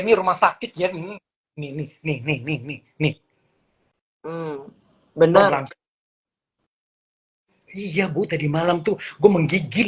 nih rumah sakit ya nih nih nih nih nih nih bener bener iya bu tadi malam tuh gua menggigil